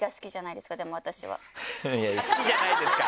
いや「好きじゃないですか」